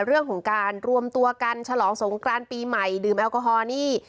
เรื่องของการรวมตัวกันฉลองสงกรานปีใหม่ดื่มแอลกอฮอล์นี่